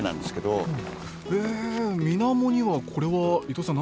へえみなもにはこれは伊藤さん